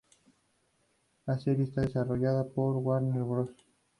La serie está desarrollada por Warner Bros.